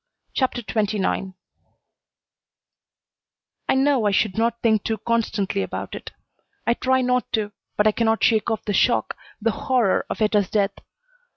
CHAPTER XXIX I know I should not think too constantly about it. I try not to, but I cannot shake off the shock, the horror of Etta's death.